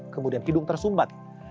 kemudian hidung tersumbat